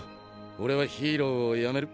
俺はヒーローをやめる。